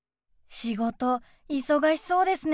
仕事忙しそうですね。